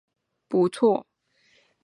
柿子也不错